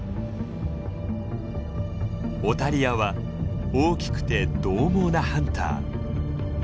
オタリアは大きくてどう猛なハンター。